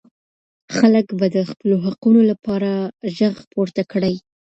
خلګ به د خپلو حقونو لپاره ږغ پورته کړي.